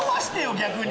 逆に。